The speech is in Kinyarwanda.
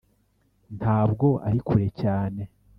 ntabwo ari kure cyane.